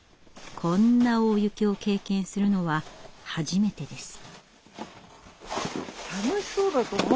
こんな大雪を経験するのは初めてです。